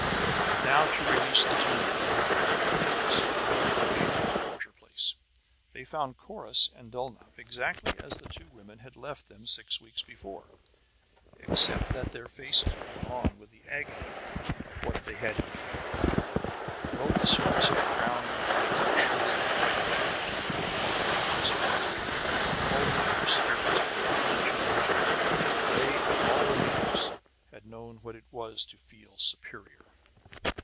"Now, to release the two men!" reminded Deltos, and led the way to the torture place. They found Corrus and Dulnop exactly as the two women had left them six weeks before, except that their faces were drawn with the agony of what they had endured. Below the surface of the ground their bodies had shriveled and whitened with their daily imprisonment. Only their spirits remained unchanged; they, of all the natives, had known what it was to feel superior.